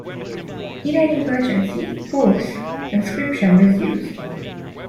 In an emergency forced conscription was used.